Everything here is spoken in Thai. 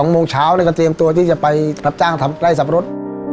โมงเช้าก็เตรียมตัวที่จะไปรับจ้างทำไร่สับปะรด